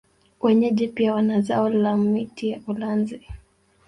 Wenyeji pia wana zao la miti ya ulanzi